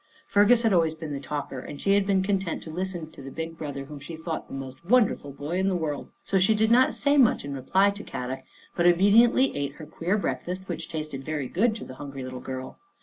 Fergus had always been the talker and she had been content to listen to the big brother whom she thought the most wonderful boy in the world. So she did not say much in reply to Kadok, but obediently ate her queer breakfast, which tasted very good to the hungry little girl.